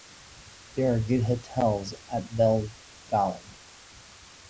There are good hotels at Belgaum.